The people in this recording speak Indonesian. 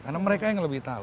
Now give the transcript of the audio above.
karena mereka yang lebih tahu